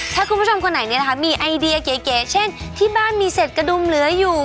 ถ้าคุณผู้ชมคนไหนมีไอเดียเก๋เช่นที่บ้านมีเศษกระดุมเหลืออยู่